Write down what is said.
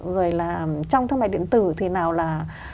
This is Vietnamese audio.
rồi là trong thương mại điện tử thì nào là